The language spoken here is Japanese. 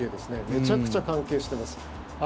めちゃくちゃ関係してます。